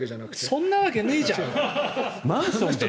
そんなわけないじゃん。